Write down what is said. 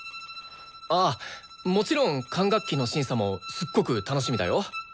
あっもちろん管楽器の審査もすっごく楽しみだよ！